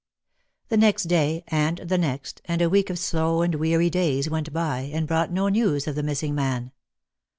The next day — and the next — and a week of slow and weary days went by, and brought no news of the missing man.